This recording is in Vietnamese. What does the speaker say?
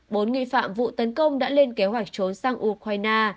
bốn nghi phạm vụ tấn công đã lên kế hoạch trốn sang ukraine